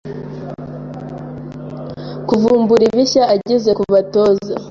kuvumbura ibishya ageza kubo atoza.